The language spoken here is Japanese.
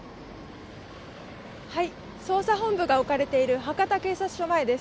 捜査本部が置かれている博多警察署前です。